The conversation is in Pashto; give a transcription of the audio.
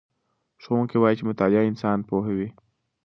ښوونکی وایي چې مطالعه انسان پوهوي.